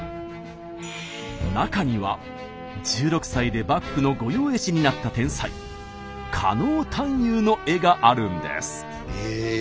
中には１６歳で幕府の御用絵師になった天才狩野探幽の絵があるんです。